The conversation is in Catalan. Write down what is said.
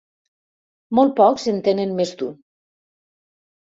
Molt pocs en tenen més d'un.